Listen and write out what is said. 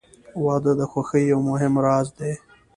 • واده د خوښۍ یو مهم راز دی.